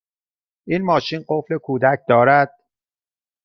این ماشین قفل کودک دارد؟